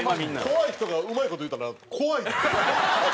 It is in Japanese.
怖い人がうまい事言ったら怖い。